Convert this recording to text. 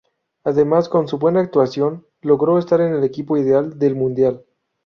Además con su buena actuación logró estar en el equipo ideal del mundial.